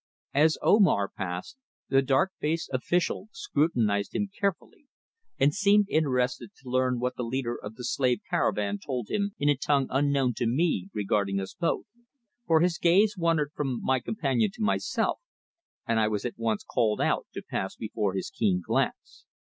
As Omar passed the dark faced official scrutinised him carefully and seemed interested to learn what the leader of the slave caravan told him in a tongue unknown to me regarding us both, for his gaze wandered from my companion to myself, and I was at once called out to pass before his keen glance.